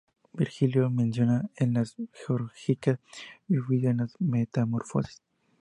Virgilio los menciona en "Las geórgicas" y Ovidio en "Las metamorfosis".